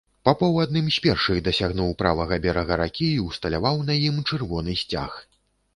Папоў адным з першых дасягнуў правага берага ракі і ўсталяваў на ім чырвоны сцяг.